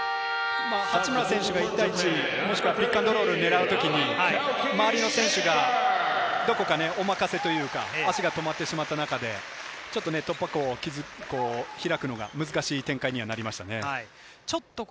八村選手が１対１、またはピックアンドロールを狙うときに周りの選手がどこかおまかせというか、足が止まってしまった中で、突破口を開くのが難しい展開になりました。